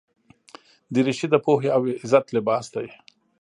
دریشي د پوهې او عزت لباس دی.